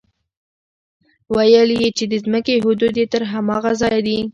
ويل يې چې د ځمکې حدود يې تر هماغه ځايه دي.